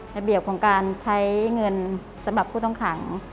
ระเบียบของการใช้เงินสำหรับผู้ต้องขัง